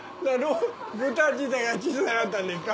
豚自体が小さかったんでっか？